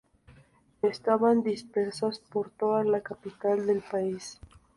Estaban dispersas por toda la capital del país.